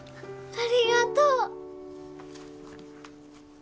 ありがとう！